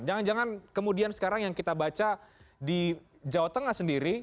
jangan jangan kemudian sekarang yang kita baca di jawa tengah sendiri